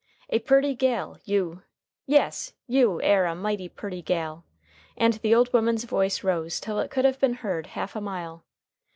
"A purty gal! you! Yes! you air a mighty purty gal!" and the old woman's voice rose till it could have been heard half a mile.